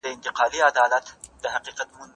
نړیوال سوداګریز تړونونه پر بازارونو مثبت اغیز کوي.